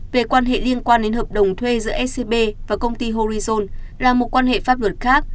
về quan hệ liên quan đến hợp đồng thuê giữa scb và công ty horizon là một quan hệ pháp luật khác